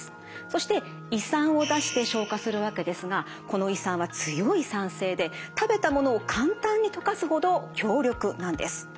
そして胃酸を出して消化するわけですがこの胃酸は強い酸性で食べたものを簡単に溶かすほど強力なんです。